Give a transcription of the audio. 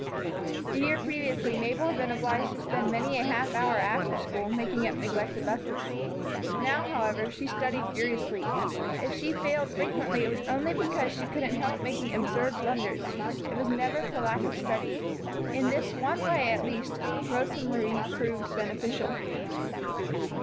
The year previously Mabel had been obliged to spend many a half hour after school, making up neglected lessons. Now, however, she studied furiously. If she failed frequently it was only because she couldn't help making absurd blunders; it was never for lack of study. In this one way, at least, Rosa Marie proved beneficial.